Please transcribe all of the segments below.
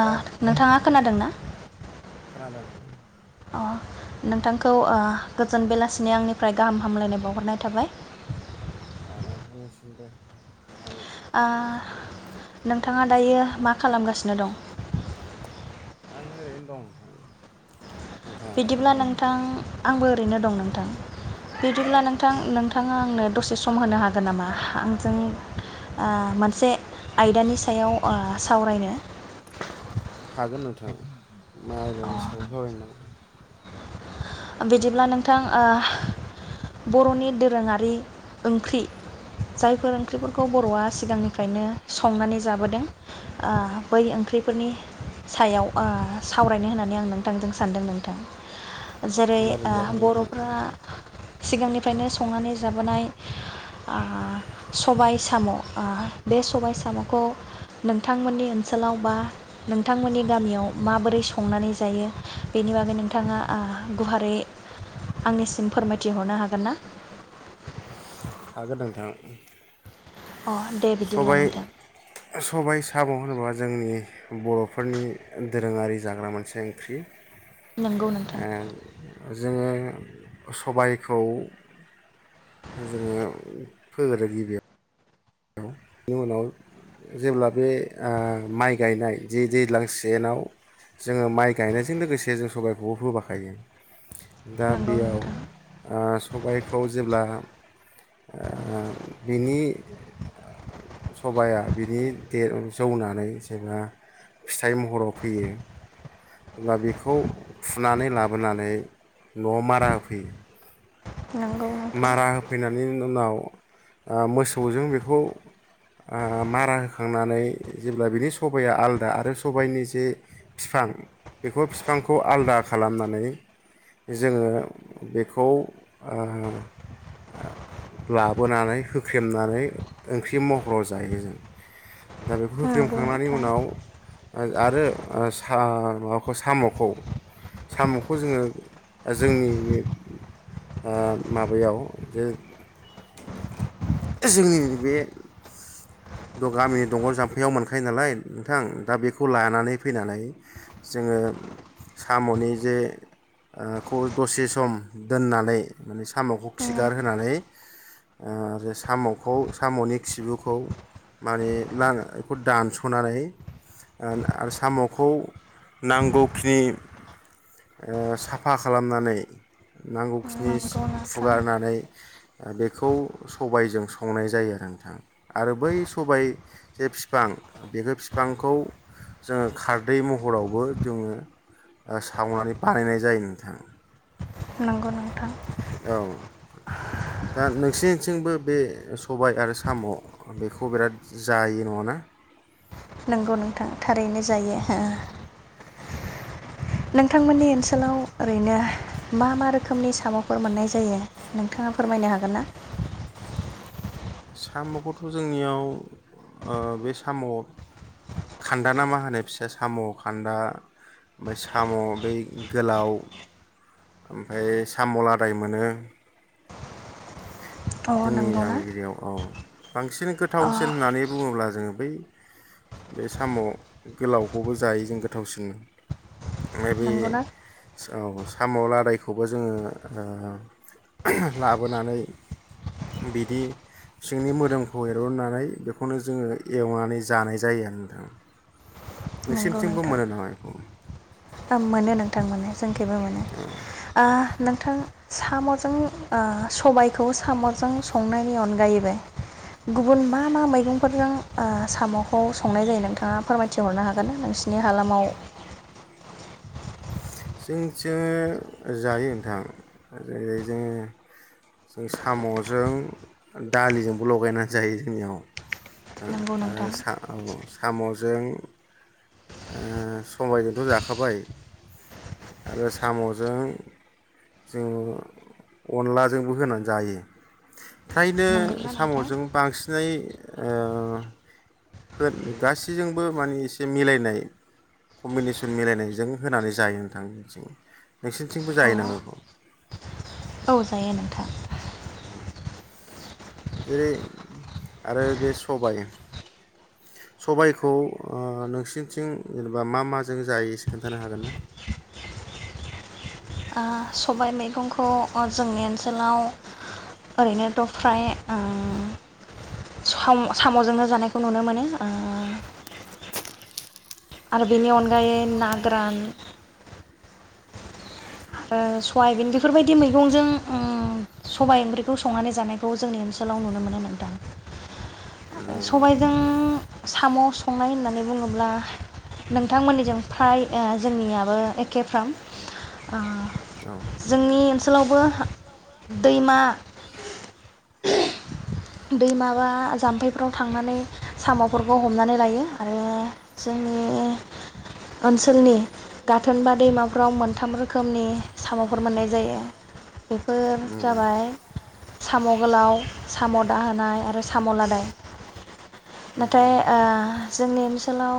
आ नोंथाङा खोनादों ना? खोनादों। नोंथांखौ ओ गोजोन बेलासिनि आंनिफ्राय गाहाम हामलायनाय बावहरनाय थाबाय। आ नोंथांनिसिमबो आ नोंथाङा दायो मा खालामगासिनो दं? आं ओरैनो दं। बिदिब्ला नोंथां आंबो ओरैनो दं नोंथां। बिदिब्ला नोंथां नोंथा नोंथाङा आंनो दसे सम होनो हागोन नामा? आंजों ओ मोनसे आयदानि सायाव ओ सावरायनो? हागोन नोंथां। [unintelligible] सायाव सावरायनो बिदिब्ला नोंथां ओ बर'नि दोरोङारि ओंख्रि जायफोर ओंख्रिफोरखौ बर'आ सिगांनिफ्रायनो संनानै जाबोदों ओ बै ओंख्रिफोरनि सायाव ओ सावरायनो होननानै आं नोंथांजों सानदों नोंथां जेरै ओ बर'फ्रा सिगांनिफ्रायनो संनानै जाबोनाय ओ सबाय साम' ओ बे सबाय साम'खौ नोंथांमोननि ओनसोलाव बा नोंथांमोननि गामियाव माबोरै संनानै जायो बेनि बागै नोंथाङा ओ गुहारै आंनिसिम फोरमायथिहरनो हागोन ना? हागोन नोंथां। सबाय सबाय साम' होनोबा जोंनि बर'फोरनि दोरोङारि जाग्रा मोनसे ओंख्रि [inaudible] ओ जोङो सबायखौ जोङो फोगोरो गिबियाव। बेनि उनाव जेब्ला बे ओ माइ गायनाय जे दैज्लां सेयाव जोङो माइ गायनायजों लोगोसे जों सबाइखौबो फोफाखायो। दा बेयाव ओ सबायखौ जेब्ला ओ बिनि सबाया बिदि दे जौनानै जेब्ला फिथाइ महराव फैयो अब्ला बेखौ फुनानै लाबोनानै न'आव मारा होफैयो मारा होफैनानै उन-उनाव ओ मोसौजों बेखौ ओ मारा होखांनानै जेब्ला बिनि सबाइया आलादा आरो सबाइनि जे बिफां बेखौ फिफांखौ आलदा खालामनानै जोङो बेखौ ओ लाबोनानै होख्रेमनानै ओंख्रि महराव जायो जों दा बेखौ होख्रेमखांनायनि उनाव आरो ओ सा माबाखौ साम'खौ साम'खौ जोङो जोंनि आ माबायाव जे जोंनि बे गामिनि दंग' जाम्फैयाव मोनखायो नालाय नोंथां दा बेखौ लानानै फैनानै जोङो साम'नि जे ओ खौ दसे सम दोननानै माने साम'खौ खिगारहोनानै ओ आरो साम'खौ साम'नि खिबुखौ माने नांङा बेखौ दानस'नानै आरो साम'खौ नांगौखिनि ओ साफा खालामनानै नांगौखिनि फुगारनानै बेखौ सबायजों संनाय जायो आरो नोंथां आरो बै सबाय जे फिफां बेखौ फिफांखौ जोङो खारदै महरावबो जोङो सावनानै बानायनाय जायो नोंथां। नंगौ नोंथां दा नोंसनिथिंबो बे सबाय आरो साम' बेखौ बिराद जायो नङाना? नंगौ नोंथां थारैनो जायो हो नोंथांमोननि ओनसोलाव ओरैनो मा मा रोखोमनि साम'फोर मोननाय जायो नोंथाङा फोरमायनो हागोन ना? साम'खौथ' जोंनियाव ओ बे साम' खान्दा ना मा होनो फिसा साम' खान्दा ओमफ्राय साम' बै गोलाव ओमफाय साम' लादाय मोनो जोंनि गामिगिरियाव औ बांसिन गोथावसिन होननानै बुङोब्ला जोङो बै बे साम' गोलावखौबो जायो जों गोथावसिन ओमफाय बे औ साम' लादायखौबो जोङो ओ लाबोनानै बिदि सिंनि मोदोमखौ एरननानै बेखौनो जोङो एवनानै जानाय जायो आरो नोंथां। नोंसिनिथिंबो मोनो नामा? इखौ मोनो नोंथां मोनो जोंनि खिबो मोनो ओ नोंथां साम'जों ओ सबायखौ साम'जों संनायनि अनगायैबो गुबुन मा मा मैगंफोरजों ओ साम'खौ संनाय जायो नोंथाङा फोरमायथिहरनो हागोन नोंसिनि हालामाव जोंनिथिं जायो नोंथां जेरै-जोंङो जों साम'जों दालिजोंबो लगायनानै जायो जोंनियाव ओ सा औ साम'जों ओ सबायजोंथ' जाखाबाय। आरो साम'जों जोङो अनलाजोंबो होनानै जायो फ्रायनो साम'जों बांसिनै ओ गासैजोंबो माने एसे मिलायनाय कमबिनेसन मिलायनायजों होनानै जायो। नोंथां जोंनिथिं नोंसिोरनिथिंबो जायो नामा? बेखौ औ जायो नोंथां जेरै आरो बे सबाय सबाइखौ ओ नोंसिनिथिं जेनेबा मा माजों जायो एसे खोन्थानो हागोन ना? ओ सबाय मैगंखौ ओ जोंनि ओनसोलाव ओरैनोथ' फ्राय उम सा साम'जोंनो जानायखौ नुनो मोनो ओ आरो बेनि अनगायै ना गोरान ओ सयाबिन बेफोरबायदि मैगंजों उम सबाय ओंख्रिखौ संनानै जानायखौ जोंनि ओनसोलाव नुनो मोनो नोंथां सबायजों साम' संनाय होननानै बुङोब्ला नोंथांमोननिजों फ्राय ओ जोंनियाबो एखेफ्राम ओ जोंनि ओनसोलावबो दैमा दैमा बा जाम्फैफ्राव थांनानै साम'फोरखौ हमनानै लायो आरो जोंनि ओनसोलनि गाथोन बा दैमाफोराव मोनथाम रोखोमनि साम'फोर मोननाय जायो बेफोर जाबाय साम' गोलाव साम' दानाय हाय आरो साम' लादाय नाथाय ओ जोंनि ओनसोलाव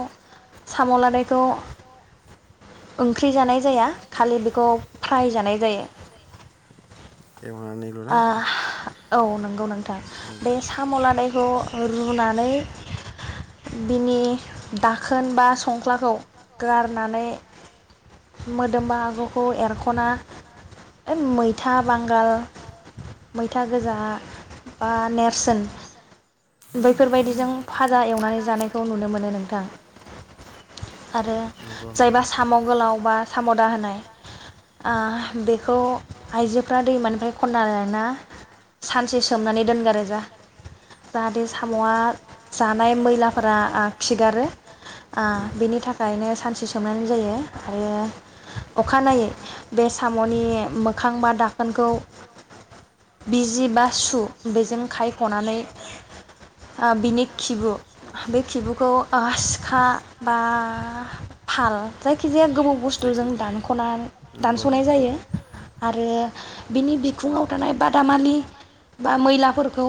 साम' लादायखौ ओंख्रि जानाय जाया खालि बेखौ फ्राय जानाय जायो। ओ औ नंगौ नोंथां बे साम' लादैखौ रुनानै बिनि दाखोन बा संख्लाखौ गारनानै मोदोम बाहागोखौ एरख'ना इ मैथा बांगाल मैथा गोजा बा नेर नेरसोन बैफोरबायदिजों फाजा एवनानै जानायखौ नुनो मोनो नोंथां आरो जायबा साम' गोलाव मा साम' दाहोनाय आ बे खौ आइजोफ्रा दैमानिफ्राय खनना ना सानसे सोमनानै दोनगारो जा जाहाथे साम'आ जानाय मैलाफोरा आ खिगारो आ बेनि थाखायनो सानसे सोमनाय जायो आरो अखानायै बे साम'नि ए मोखां बा दाखोनखौ बिजि बा सु बेजों खायखनानै आ बिनि खिबु बे खिबुखौ आ सिखा बा फाल जायखिजाया गोबौ बुस्थुजों दानखनानै दानसनाय जायो। आरो बिनि बिखुङाव थानाय बादामालि बा मैलाफोरखौ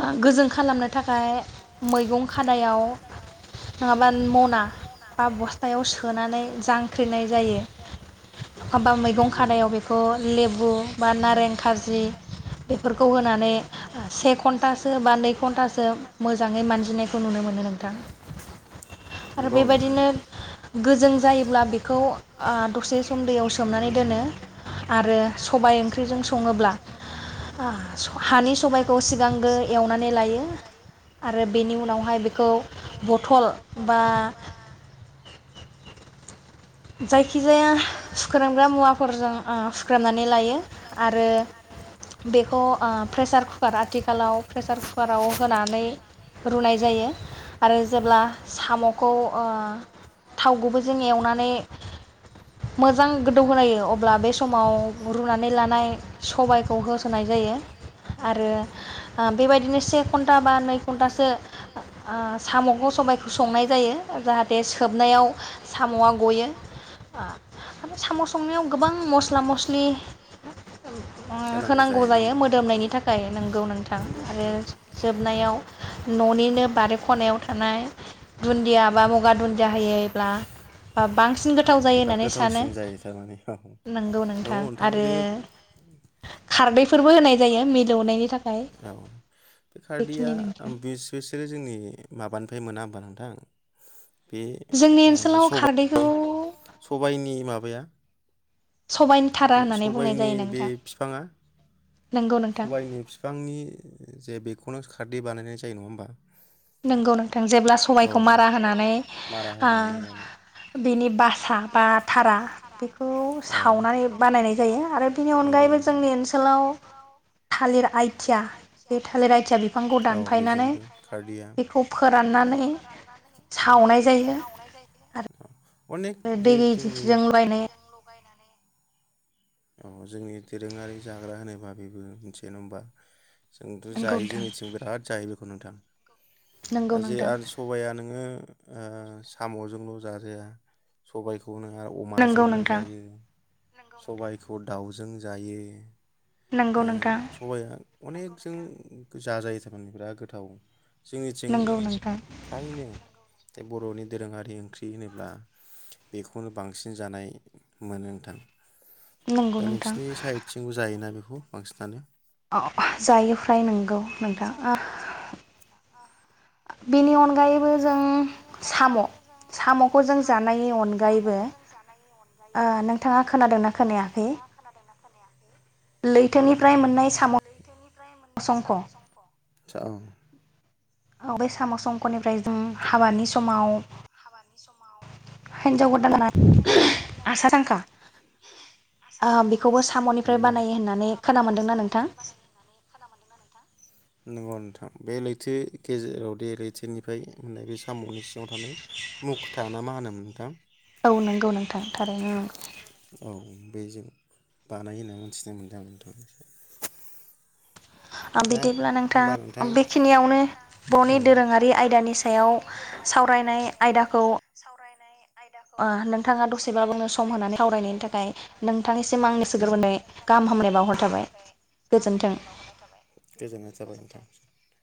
आ गोजों खालामनो थाखाय मैगं खादायाव नङाबा मना बा बस्थायाव सोनानै जांख्रिनाय जायो। खमबा मैगं खादायाव बेखौ लेबु बा नारें खारजि बेफोरखौ होनानै आ से घन्टासो बा नै घन्टासो मोजाङै मानजिनायखौ नुनो मोनो नोंथां आरो बेबायदिनो गोजों जायोब्ला बेखौ आ दसे सम दैयाव सोमनानै दोनो आरो सबाय ओंख्रिजों सङोब्ला हानि सबाइ खौ सिगांग्रो एवनानै लायो आरो बेनि उनावहाय बेखौ बथल बा जायखिजाया सुख्रमग्रा मुवाफोरजों उम सुख्रमनानै लायो आरो बेखौ आ प्रेसार कुकार आथिखालाव प्रेसार कुकाराव होनानै रुनाय जायो आरो जेब्ला साम'खौ आ थाव गुबबोजों एवनानै मोजां गोदौहोलायो अब्ला बे समाव रुनानै लानाय सबायखौ होसोनाय जायो आरो बेबायदिनो से घन्टा बा नै घन्टासो आ सामखौ सबायाइखौ संनाय जायो जाहाथे सोबनायाव साम'आ गयो। आ आरो साम' संनायाव गोबां मस्ला मस्लि होनांगौ जायो मोदोमनायनि थाखाय नोंगौ नोंथां आरो जोबनायाव न'निनो बारि खनायाव थानाय दुन्दिया बा मुगा दुन्दिया होयोब्ला बा बां सिन गोथाव जायो होन्नानै थावसिन थारमानि औ औ नोंथां जोङो आरो खारदैफोरबो होनाय जायो मिलौनायनि थाखाय औ बे खारदैया उम [unintelligible] सोरो जोंनि माबानिफ्राय मोना होमबा नोंथां जोंनि ओनसोलाव खारदैखौ नि माबाया सबागनि बे फिफाङा सबायनि फिफांनि जे बेखौनो खारदै बानायनाय जा दे होमबा नोंगौ नोंथां जेब्ला सबायखौ मारा होनानै आ बिनि बासा बा थारा बेखौ सावनानै बानायनाय जायो आरो बेनि अनगायैबो जोंनि ओनसोलाव थालिर आइथिया बे थालिर आइथिया बिफांखौ दानफायनानै बेखौ फोराननानै सावनाय जायो आरो दैजों बायनाय औ जोंनि दोरोंङारि जाग्रा होनबा बेबो मोनसे नंङा होमबा? जोंथ' जायो जोंनिथिं बिराद जायो बेखौ नोंथां। नंगौ नोंथां, जे आरो सबाया नोंङो ओह साम'जोंल' जाजाया सबाइखौ [unintelligible] अमाजोंबो जायो। नोंगौ सबाइ खौ दाउजों जायो। ओ सबाया अनेकजों जाजायो थारमाने बिराद गोथाव। जोंनिथिं फ्रायनो बे बर'नि दोरोङारि ओंख्रि होनोब्ला बेखौनो बांसिन जानाय मोनो नोंथां। दा नोंसिनि साइडथिंबो जायोना बेखौ? खौ बांसिनानो ओउ जायो फ्राय नोंगौ नोंथां ओह बिनि अनगायैबो जों साम' साम'खौ जों जानायनि अनगायैबो ओह नोंथांङा खोनादों ना खोनायाखै? लैथोनिफ्राय मोननाय साम' संख' औ बे साम' संखनिफ्राय औ बे साम' सांख'निफ्राय जों हाबानि समाव हिन्जाव गोदाननो गानहोनाय आसान सांखा नंगौ बेखौबो साम'निफ्राय बानायो होननानै खोना मोनदोंना नोंथां? नोंगौ नोंथां बे लैथो गेजेराव दै लैथोनिफ्राय मोननाय बे साम'नि सिंङाव थानाय मुखथा ना मा होनोमोन नोंथां? औ नोंगौ नोंथां थारैनो नंगौ। बेजों बानायो होनना मोनथिनो मोनदों आं नोंथां। ओ बिदिब्ला नोंथां बेखिनियावनो बर'नि दोरोंङारि आयदानि सायाव सावरायनाय आयदाखौ आयदाखौ ओ नोंथांङा दसेब्लाबो आंनो सम होनानै सावरायनायनि थाखाय नोंथांनिसिम आंनि गोसो गोरबोनिफ्राय गाहाम हामलायनाय बावहरनाय थाबाय। [unintelligible]